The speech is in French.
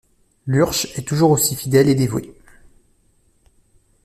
Lurch est toujours aussi fidèle et dévouée.